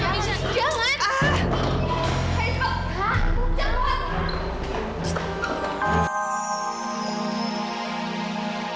maksudnya udah deh